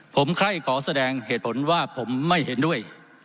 ผมใครขอแสดงเหตุผลว่าผมไม่เห็นด้วย